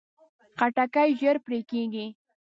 خټکی ژر پرې کېږي.